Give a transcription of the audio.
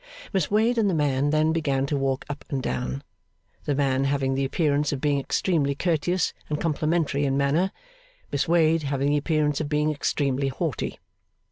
Miss Wade and the man then began to walk up and down; the man having the appearance of being extremely courteous and complimentary in manner; Miss Wade having the appearance of being extremely haughty.